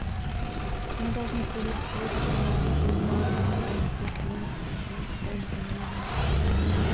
Мы должны привить сегодняшней молодежи идеалы мира, терпимости и взаимопонимания.